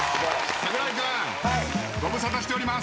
櫻井君ご無沙汰しております。